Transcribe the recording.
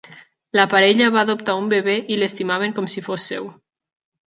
La parella va adoptar un bebè i l'estimaven com si fos seu.